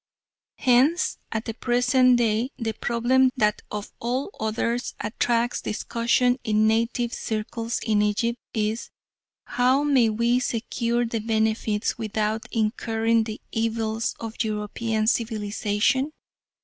Hence at the present day the problem that of all others attracts discussion in native circles in Egypt is, How may we secure the benefits, without incurring the evils of European civilisation?